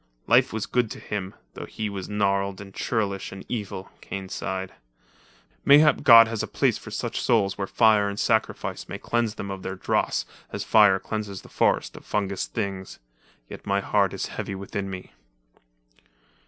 "Life was good to him, though he was gnarled and churlish and evil," Kane sighed. "Mayhap God has a place for such souls where fire and sacrifice may cleanse them of their dross as fire cleans the forest of fungus things. Yet my heart is heavy within me."